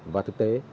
và thực tế